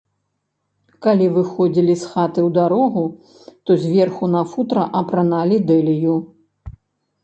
Калі выходзілі з хаты ў дарогу, то зверху на футра апраналі дэлію.